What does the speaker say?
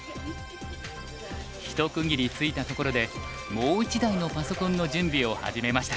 ひと区切りついたところでもう一台のパソコンの準備を始めました。